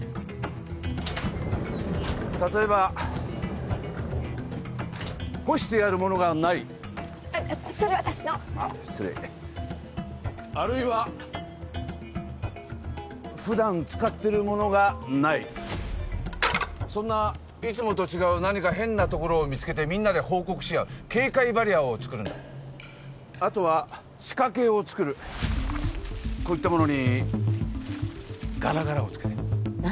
例えば干してあるものがないあっそれ私のあっ失礼あるいは普段使ってるものがないそんないつもと違う何か変なところを見つけてみんなで報告し合う警戒バリアをつくるんだあとは仕掛けを作るこういったものにガラガラをつけて何？